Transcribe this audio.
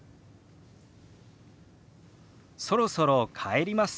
「そろそろ帰ります」。